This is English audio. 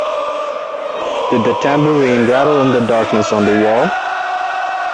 Did the tambourine rattle in the darkness on the wall?